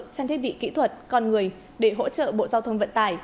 trang thiết bị kỹ thuật con người để hỗ trợ bộ giao thông vận tải